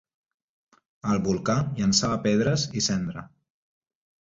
El volcà llançava pedres i cendra.